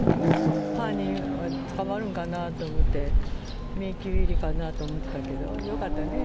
犯人は捕まるのかなと思って、迷宮入りかなと思ってたけど、よかったね。